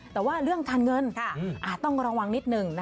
แต่ว่าเรื่องการเงินต้องระวังนิดหนึ่ง